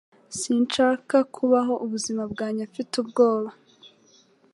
Sinshaka kubaho ubuzima bwanjye mfite ubwoba